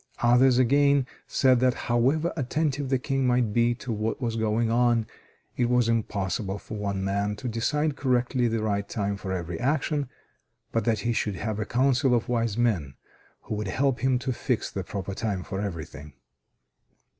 Others, again, said that however attentive the King might be to what was going on, it was impossible for one man to decide correctly the right time for every action, but that he should have a Council of wise men, who would help him to fix the proper time for everything.